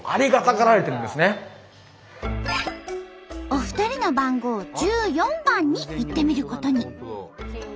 お二人の番号１４番に行ってみることに。